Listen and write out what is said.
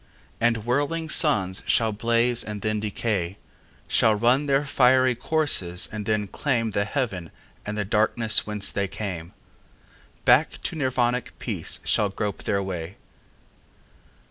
And whirling suns shall blaze and then decay, Shall run their fiery courses and then claimThe haven of the darkness whence they came; Back to Nirvanic peace shall grope their way.